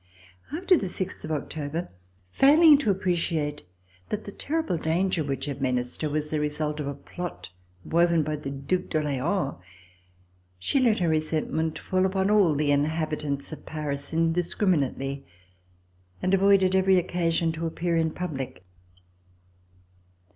After the sixth of October, failing to appreciate that the terrible danger which had menaced her was the result of a" plot woven by the Due d'Orleans, she let her resent ment fall upon all of the inhabitants of Paris in discriminately and avoided every occasion to appear in public.